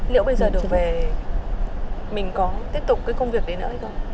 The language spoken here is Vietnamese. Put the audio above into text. liệu bây giờ được về mình có tiếp tục cái công việc đấy nữa hay không